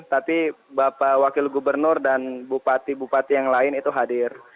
tapi bapak wakil gubernur dan bupati bupati yang lain itu hadir